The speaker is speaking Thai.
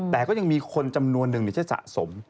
แต่ก็ยังมีคนจำนวนหนึ่งที่สะสม